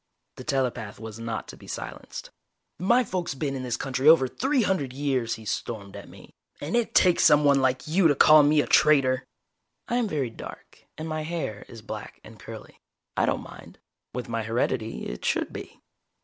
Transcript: The telepath was not to be silenced. "My folks been in this country over three hundred years," he stormed at me. "And it takes someone like you to call me a traitor!" I am very dark, and my hair is black and curly. I don't mind. With my heredity, it should be.